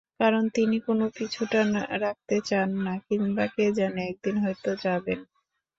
কারণ তিনি কোনো পিছুটান রাখতে চান না কিংবা কে জানে, একদিন হয়তো যাবেন।